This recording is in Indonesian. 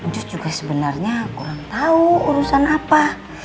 just juga sebenarnya kurang tahu urusan apa